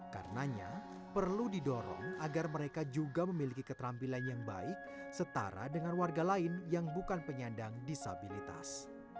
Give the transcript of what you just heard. karenanya perlu didorong agar mereka juga memiliki keterampilan yang baik setara dengan warga lain yang bukan penyandang disabilitas